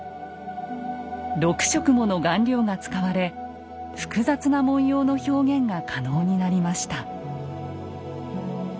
６色もの顔料が使われ複雑な文様の表現が可能になりました。